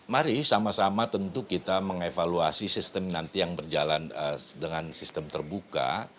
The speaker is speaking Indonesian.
mari sama sama tentu kita mengevaluasi sistem nanti yang berjalan dengan sistem terbuka